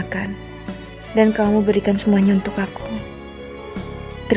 kenapa belum tidur